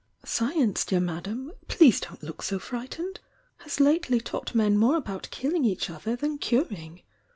Science, dear Madame — please don't look 80 frightened— haa lately taught men more about kiUing each other than curing!